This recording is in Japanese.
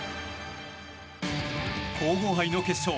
皇后杯の決勝。